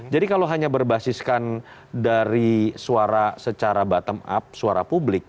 jadi kalau hanya berbasiskan dari suara secara bottom up suara publik